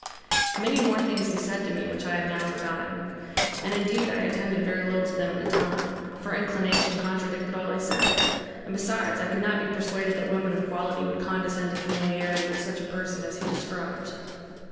Many more things he said to me, which I have now forgotten, and indeed I attended very little to them at the time; for inclination contradicted all he said; and, besides, I could not be persuaded that women of quality would condescend to familiarity with such a person as he described.